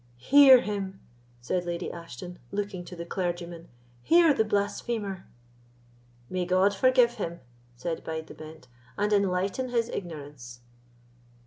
"Hear him!" said Lady Ashton, looking to the clergyman—"hear the blasphemer!" "May God forgive him," said Bide the Bent, "and enlighten his ignorance!"